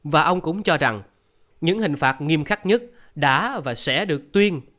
và ông cũng cho rằng những hình phạt nghiêm khắc nhất đã và sẽ được tuyên